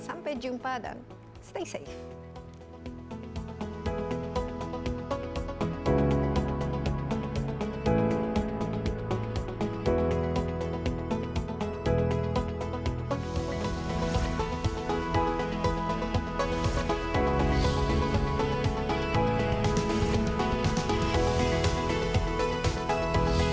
sampai jumpa dan stay safe